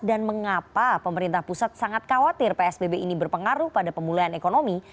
dan mengapa pemerintah pusat sangat khawatir psbb ini berpengaruh pada pemulihan ekonomi